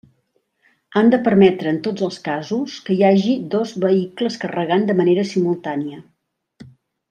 Han de permetre en tots els casos que hi hagi dos vehicles carregant de manera simultània.